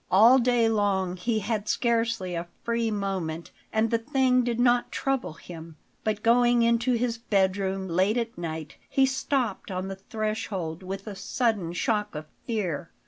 All day long he had scarcely a free moment, and the thing did not trouble him; but going into his bedroom late at night, he stopped on the threshold with a sudden shock of fear.